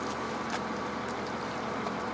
มีช่วงอินทัน